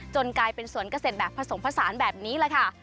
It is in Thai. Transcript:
กลายเป็นสวนเกษตรแบบผสมผสานแบบนี้แหละค่ะ